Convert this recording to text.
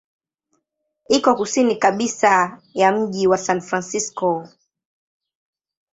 Iko kusini kabisa ya mji wa San Francisco.